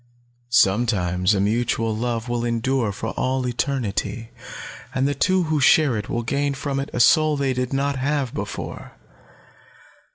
Sometimes a mutual love will endure for all eternity, and the two who share it will gain from it a soul they did not have before.